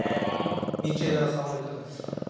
道枝さんはいかがですか？